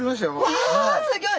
うわあすギョい！